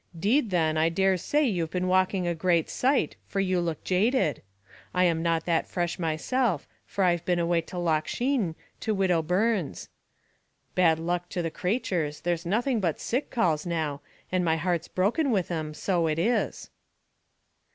'deed, then, I dare say you've been walking a great sight, for you look jaded. I'm not that fresh myself, for I've been away to Loch Sheen, to widow Byrne's. Bad luck to the cratures, there's nothing but sick calls now, and my heart's broken with them, so it is."